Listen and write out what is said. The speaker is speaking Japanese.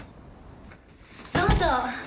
どうぞ。